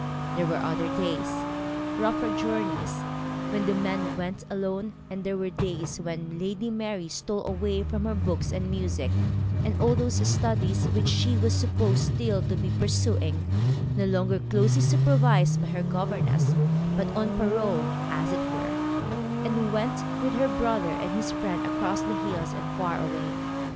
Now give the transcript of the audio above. There were other days rougher journeys when the men went alone, and there were days when Lady Mary stole away from her books and music, and all those studies which she was supposed still to be pursuing no longer closely supervised by her governess, but on parole, as it were and went with her brother and his friend across the hills and far away.